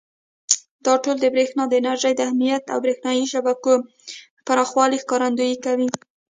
دا ټول د برېښنا د انرژۍ د اهمیت او برېښنایي شبکو پراخوالي ښکارندويي کوي.